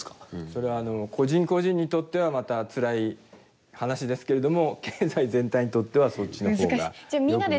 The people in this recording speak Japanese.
それは個人個人にとってはまたつらい話ですけれども経済全体にとってはそっちの方がよくなる。